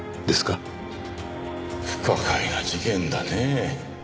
不可解な事件だねぇ。